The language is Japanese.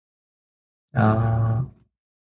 秋涼秋雨秋晴夜長紅葉秋麗初霜